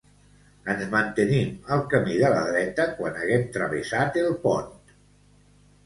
Ens mantenim al camí de la dreta quan haguem travessat el pont.